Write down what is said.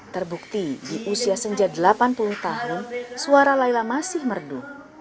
terbukti di usia senja delapan puluh tahun suara layla masih merdu